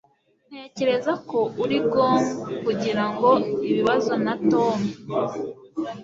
Ntekereza ko uri gong kugira ibibazo na Tom.